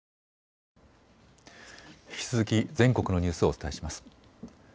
引き続き全国のニュースをお伝えします。